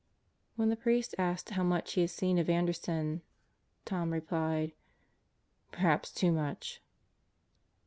When the priest asked how much he had seen of Anderson, Tom replied: "Perhaps too much."